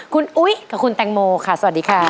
คุณอุ๊ยกับคุณแตงโมค่ะสวัสดีค่ะ